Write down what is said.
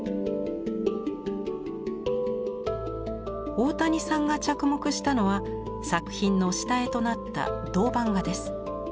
大谷さんが着目したのは作品の下絵となった銅版画です。